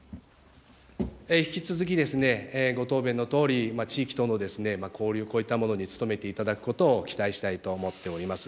引き続き、ご答弁のとおり、地域との交流、こういったものに努めていただくことを期待したいと思っております。